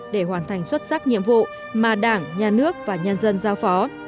để hoàn thành xuất sắc nhiệm vụ mà đảng nhà nước và nhân dân giao phó